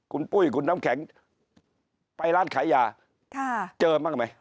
คุณปุ้ยคุณน้ำแข็งไปร้านขายยาเจอบ้างไหม